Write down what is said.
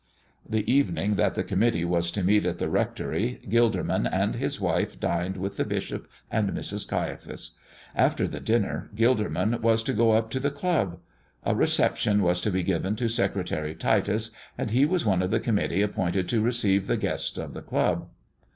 The evening that the committee was to meet at the rectory, Gilderman and his wife dined with the bishop and Mrs. Caiaphas. After the dinner Gilderman was to go up to the club. A reception was to be given to Secretary Titus, and he was one of the committee appointed to receive the guest of the club.